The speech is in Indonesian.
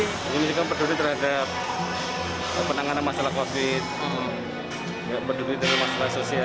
ini kan peduli terhadap penanganan masalah covid sembilan belas